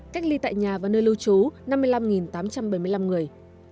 cách ly tại nhà và nơi lưu trú năm mươi năm tám trăm bảy mươi năm người